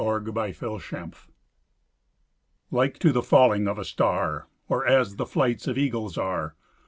THE LIFE OF MAN. Like to the falling off a star. Or as the flights of eagles are.